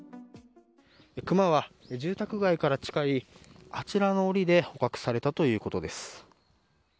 クマは、住宅街から近いあちらの檻で捕獲されたということです。